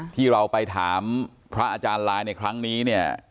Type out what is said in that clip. ที่เราไปถามพระอาจารย์ลายในครั้งนี้เนี่ย